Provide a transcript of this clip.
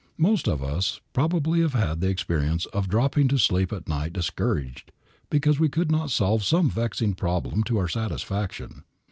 Most of us probably have had the experience of dropping to sleep at night discouraged because we could not solve some vexing problem to our satisfaction.